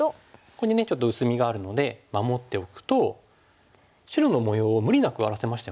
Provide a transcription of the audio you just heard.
ここにねちょっと薄みがあるので守っておくと白の模様を無理なく荒らせましたよね。